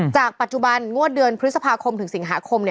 จากปัจจุบันงวดเดือนพฤษภาคมถึงสิงหาคม